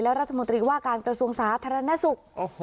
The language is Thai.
และรัฐมนตรีว่าการกระทรวงสาธารณสุข